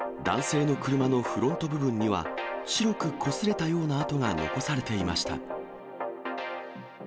男性の車のフロント部分には、白くこすれたような跡が残されていました。